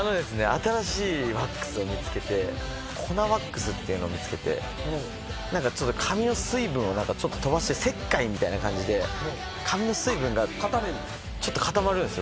新しいワックスを見つけて粉ワックスっていうのを見つけて髪の水分をちょっと飛ばして石灰みたいな感じで髪の水分がちょっと固まるんですよ。